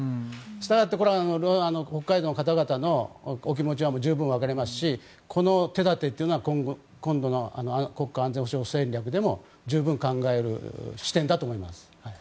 したがってこれは北海道の方々のお気持ちは十分わかりますしこの手立てというのは今度の国家安全保障戦略でも十分考える視点だと思います。